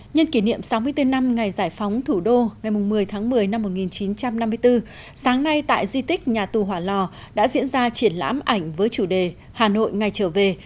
nhân kỷ niệm sáu mươi bốn năm ngày giải phóng thủ đô ngày một mươi tháng một mươi năm một nghìn chín trăm năm mươi bốn sáng nay tại di tích nhà tù hỏa lò đã diễn ra triển lãm ảnh với chủ đề hà nội ngày trở về